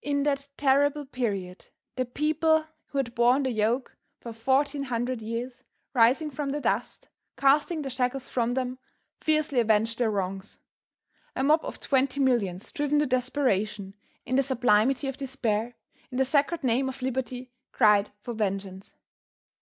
In that terrible period the people who had borne the yoke for fourteen hundred years, rising from the dust, casting their shackles from them, fiercely avenged their wrongs. A mob of twenty millions driven to desperation, in the sublimity of despair, in the sacred name of Liberty cried for vengeance.